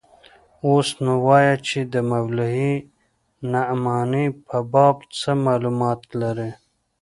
اوس نو وايه چې د مولوي نعماني په باب څه مالومات لرې.